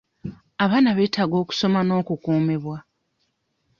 Abaana beetaaga okusoma n'okukuumibwa.